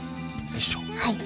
はい。